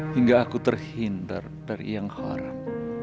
hingga aku terhindar dari yang haram